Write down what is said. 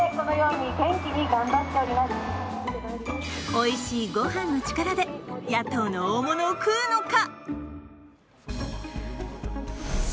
おいしい御飯の力で野党の大物を食うのか！？